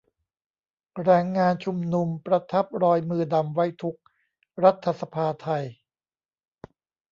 แรงงานชุมนุม ประทับรอยมือดำไว้ทุกข์รัฐสภาไทย